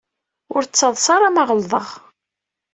Ur ttaḍsa ara ma ɣelḍeɣ.